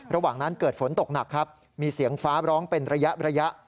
ระหว่างนั้นเกิดฝนตกหนักครับมีเสียงฟ้าร้องเป็นระยะ